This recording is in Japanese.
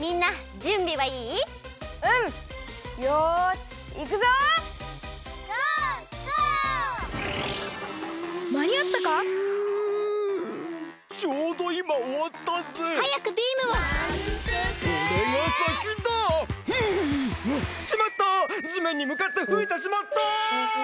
じめんにむかってふいてしまった！